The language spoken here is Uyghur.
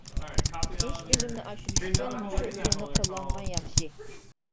ئىش ئۈنۈمىنى ئاشۇرۇش ئۈچۈن مۇشۇ ئۇسۇلنى قوللانغان ياخشى.